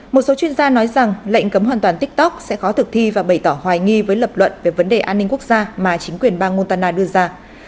một số chuyên gia nói rằng lệnh cấm hoàn toàn tiktok sẽ khó thực thi và bày tỏ hoài nghi với lập luận về vấn đề an ninh quốc gia mà chính quyền bang montana đưa ra